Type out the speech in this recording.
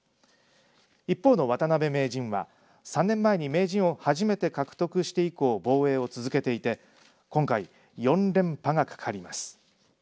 一方の渡辺名人は、３年前に名人を初めて獲得して以降防衛を続けていて今回、４連覇がかかります。